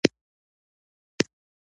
هغه خو پوهېدله چې زه څه وایم.